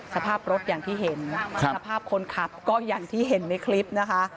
สภาพรถอย่างที่เห็นสภาพคนขับก็อย่างที่เห็นในคลิปนะคะ